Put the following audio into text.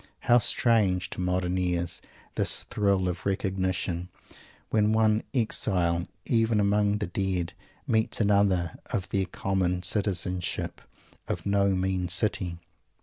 How strange to modern ears this thrill of recognition, when one exile, even among the dead, meets another, of their common citizenship of "no mean city!"